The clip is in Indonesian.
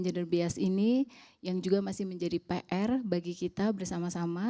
gener bias ini yang juga masih menjadi pr bagi kita bersama sama